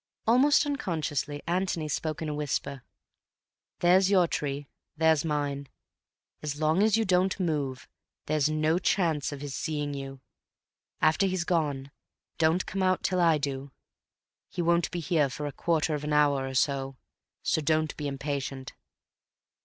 Almost unconsciously Antony spoke in a whisper. "There's your tree, there's mine. As long as you don't move, there's no chance of his seeing you. After he's gone, don't come out till I do. He won't be here for a quarter of an hour or so, so don't be impatient."